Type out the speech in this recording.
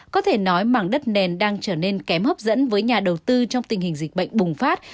có thể nói mảng đất nền đang trở nên kém hấp dẫn với nhà đầu tư trong tình hình dịch bệnh bùng phát